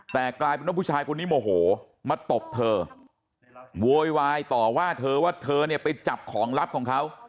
แต่กลายเป็นว่าผู้ชายคนนี้โมโหมาตบเธอโวยวายต่อว่าเธอว่าเธอเนี่ยไปจับของลับของเขา